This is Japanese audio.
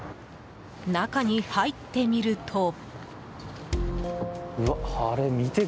中に入ってみると。